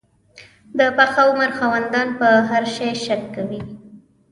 د پاخه عمر خاوندان په هر شي شک کوي.